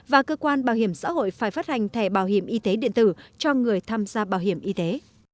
và cơ quan bảo hiểm xã hội phải phát hành thẻ bảo hiểm y tế điện tử cho người tham gia bảo hiểm y tế